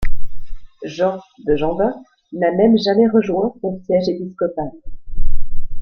Jean de Jandun n'a même jamais rejoint son siège épiscopal.